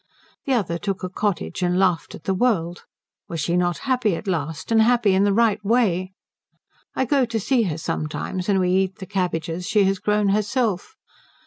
The other took a cottage and laughed at the world. Was she not happy at last, and happy in the right way? I go to see her sometimes, and we eat the cabbages she has grown herself.